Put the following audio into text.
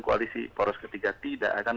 koalisi poros ketiga tidak kan